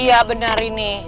iya benar ini